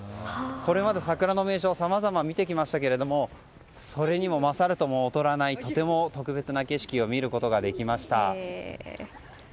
これまで桜の名所さまざま見てきましたけどそれにも勝るとも劣らないとても特別な景色を見ることができました。